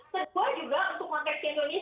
kedua juga untuk mengatasi indonesia